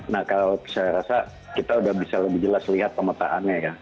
nah kalau saya rasa kita sudah bisa lebih jelas lihat pemetaannya ya